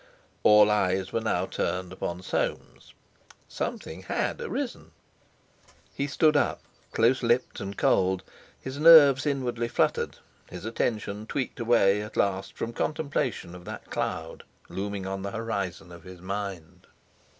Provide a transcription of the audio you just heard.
All eyes were now turned upon Soames. Something had arisen! He stood up, close lipped and cold; his nerves inwardly fluttered, his attention tweaked away at last from contemplation of that cloud looming on the horizon of his mind.